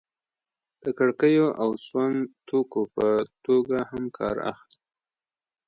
د کړکیو او سونګ توکو په توګه هم کار اخلي.